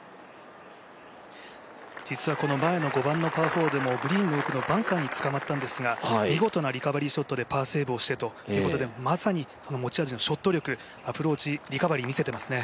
実はこの前の５番のパーホールもグリーンの奥のバンカーにつかまったんですが見事なリカバリーショットでパーセーブをしてということでまさにその持ち味のショット力、アプローチ、リカバリー見せてますね。